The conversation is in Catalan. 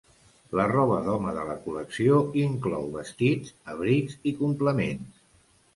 La roba d'home de la col·lecció inclou vestits, abrics i complements.